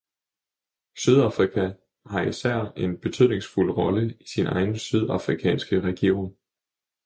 Sydafrika har især en betydningsfuld rolle i sin egen sydafrikanske region.